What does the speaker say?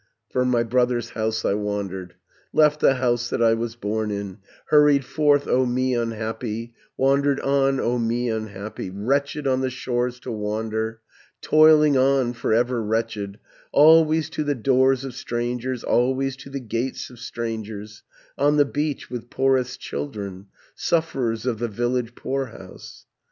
820 "From my brother's house I wandered, Left the house that I was born in, Hurried forth, O me unhappy, Wandered on, O me unhappy, Wretched on the shores to wander, Toiling on, for ever wretched, Always to the doors of strangers, Always to the gates of strangers, On the beach, with poorest children, Sufferers of the village poorhouse.